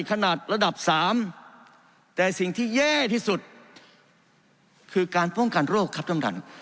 ขนาดระดับสามแต่สิ่งที่แย่ที่สุดคือการป้องกันโรคครับท่านท่าน